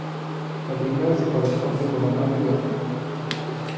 La primera se corresponde con la nave norte.